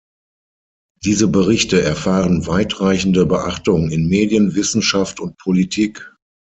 Diese Berichte erfahren weitreichende Beachtung in Medien, Wissenschaft und Politik.